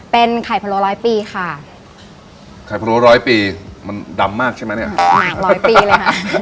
เป็นไข่พะโลร้อยปีค่ะไข่พะโล้ร้อยปีมันดำมากใช่ไหมเนี่ยหนักร้อยปีเลยค่ะ